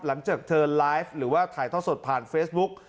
หลังจากเธอไลฟ์หรือว่าถ่ายท่อสดผ่านเฟซบุ๊ก